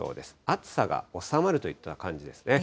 暑さが収まるといった感じですね。